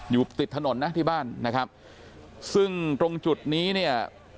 อยู่ติดถนนนะที่บ้านนะครับซึ่งตรงจุดนี้เนี่ย